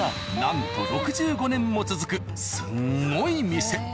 なんと６５年も続くスンゴイ店。